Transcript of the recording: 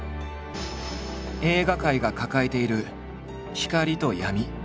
映画界が抱えている光と闇。